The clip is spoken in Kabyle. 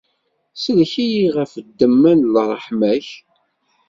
Sellek-iyi ɣef ddemma n ṛṛeḥma-k!